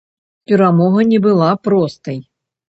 Перамога не была простай.